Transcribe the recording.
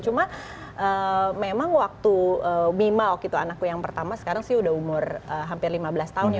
cuma memang waktu bima waktu itu anakku yang pertama sekarang sih udah umur hampir lima belas tahun ya